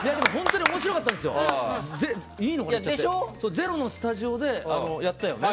「ｚｅｒｏ」のスタジオでやったよね。